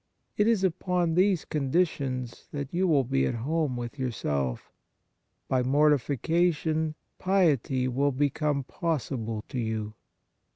It is upon these conditions that you will be at home with yourself. By mor tification piety will become possible to you.